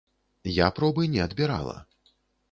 Я пробы не адбірала.